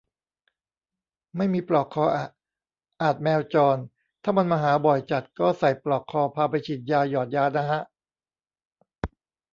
ไม่มีปลอกคออะ อาจแมวจร ถ้ามันมาหาบ่อยจัดก็ใส่ปลอกคอ พาไปฉีดยา หยอดยานะฮะ